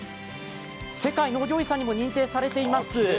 世界農業遺産にも認定されています